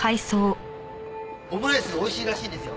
オムライス美味しいらしいんですよ。